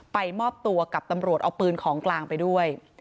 มอบตัวกับตำรวจเอาปืนของกลางไปด้วย